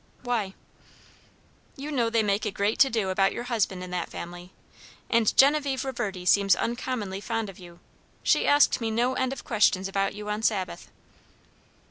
"Why?" "You know they make a great to do about your husband in that family. And Genevieve Reverdy seems uncommonly fond of you. She asked me no end of questions about you on Sabbath."